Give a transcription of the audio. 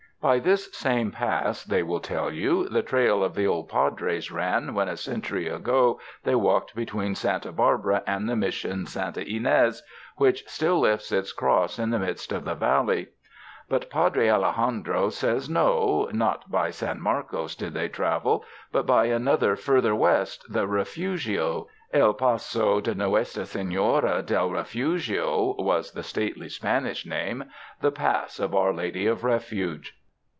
By this same pass, they will tell you, the trail of the old Padres ran when a century ago they walked between Santa Barbara and the Mission Santa Ynes, which still lifts its cross in the midst of the valley. But Padre Alejandro says no, not by San Marcos did they travel, but by another further west, the Refugio. El Paso de Nuestra Sefiora del Refugio was the stately Spanish name — the Pass of our Lady of Refuge.